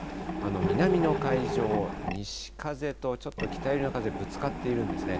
南の海上、西風とちょっと北寄りの風、ぶつかっているんですね。